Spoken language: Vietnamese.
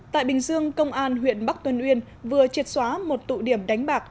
tại bình dương công an huyện bắc tân uyên vừa triệt xóa một tụ điểm đánh bạc